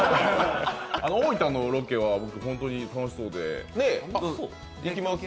大分のロケはホントに楽しそうで。